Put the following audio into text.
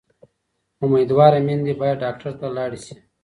امیندواره میندې باید ډاکټر ته لاړې شي.